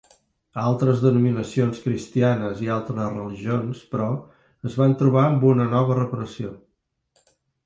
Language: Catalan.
Altres denominacions cristianes i altres religions, però, es van trobar amb una nova repressió.